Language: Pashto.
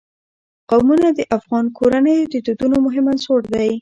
قومونه د افغان کورنیو د دودونو مهم عنصر دی.